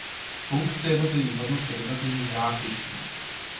Funkce jednotlivých hodnot se v jednotlivých hrách liší.